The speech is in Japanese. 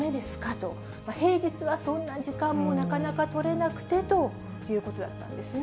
と、平日はそんな時間もなかなか取れなくてということだったんですね。